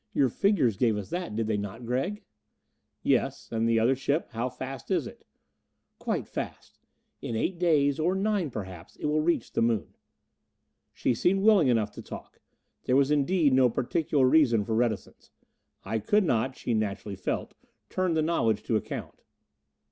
Your figures gave that, did they not, Gregg?" "Yes. And the other ship how fast is it?" "Quite fast. In eight days or nine, perhaps it will reach the Moon." She seemed willing enough to talk. There was indeed, no particular reason for reticence; I could not, she naturally felt, turn the knowledge to account.